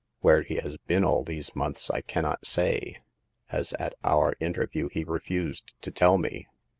Where he has been all these months I cannot say, as at our interview he refused to tell me."